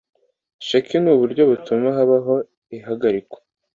Sheki ni uburyo butuma habaho ihagarikwa